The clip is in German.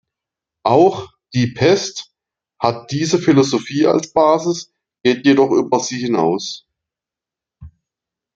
Auch „Die Pest“ hat diese Philosophie als Basis, geht jedoch über sie hinaus.